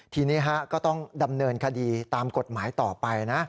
ทีนี้ก็ต้องดำเนินคดีตามกฎหมายต่อไปนะ